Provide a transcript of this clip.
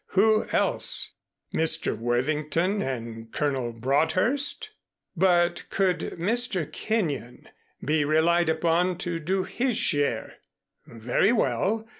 Who else Mr. Worthington and Colonel Broadhurst? But could Mr. Kenyon be relied upon to do his share? Very well.